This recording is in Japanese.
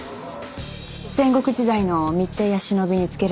戦国時代の密偵や忍びに付けられた名称。